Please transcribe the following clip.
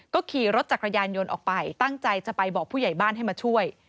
ก็ขี่รถจักรยานยนต์ออกไปตั้งใจจะไปบอกผู้ใหญ่บ้านให้มาช่วย